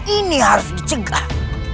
ini harus dicegah